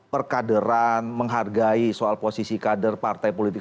perkaderan menghargai soal posisi kader partai politik